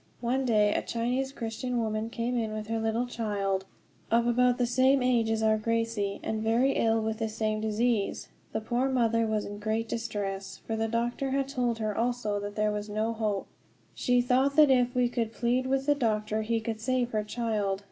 One day a Chinese Christian woman came in with her little child, of about the same age as our Gracie, and very ill with the same disease. The poor mother was in great distress, for the doctor had told her also that there was no hope. She thought that if we would plead with the doctor he could save her child.